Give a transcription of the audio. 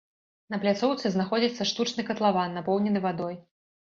На пляцоўцы знаходзіцца штучны катлаван, напоўнены вадой.